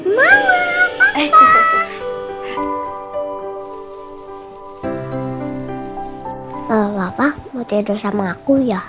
mama papa mau tidur sama aku ya